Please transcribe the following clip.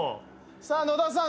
さあ野田さん